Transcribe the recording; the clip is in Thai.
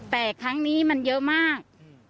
แต่ครั้งนี้มันเยอะมาก